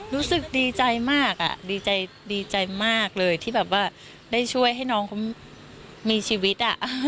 รู้สึกดีใจมากดีใจมากเลยที่แบบว่าได้ช่วยให้น้องเขามีชีวิต